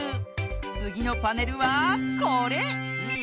つぎのパネルはこれ！